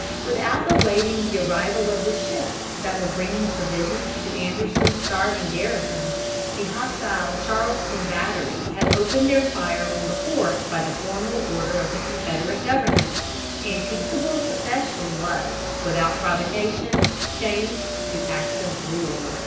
Without awaiting the arrival of the ships that were bringing provisions to Anderson's starving garrison, the hostile Charleston batteries had opened their fire on the fort by the formal order of the Confederate government, and peaceable secession was, without provocation, changed to active war.